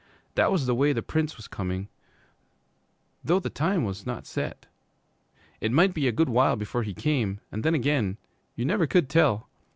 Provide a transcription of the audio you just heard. That was the way the Prince was coming, though the time was not set. It might be a good while before he came, and then again you never could tell!